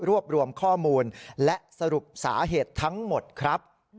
รวบรวมข้อมูลและสรุปสาเหตุทั้งหมดครับ